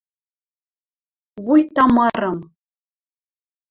вуйта мырым